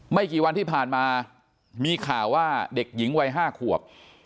ไม่กี่วันที่ผ่านมามีข่าวว่าเด็กหญิงวัย๕ขวบ